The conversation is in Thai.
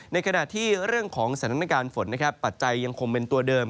ในขณะที่เรื่องของสถานการณ์ฝนนะครับปัจจัยยังคงเป็นตัวเดิม